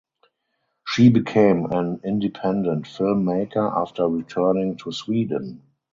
She became an independent filmmaker after returning to Sweden.